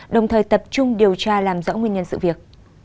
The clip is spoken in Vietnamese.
đồng thời tập trung điều tra làm rõ nguyên nhân sự việc